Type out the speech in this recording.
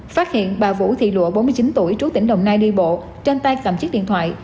phát hiện bà vũ thị lụa bốn mươi chín tuổi trú tỉnh đồng nai đi bộ trên tay cầm chiếc điện thoại